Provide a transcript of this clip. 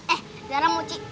eh sarah mochi